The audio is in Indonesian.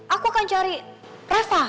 aku akan cari reva